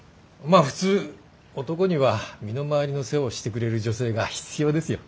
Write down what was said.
まあ普通男には身の回りの世話をしてくれる女性が必要ですよ。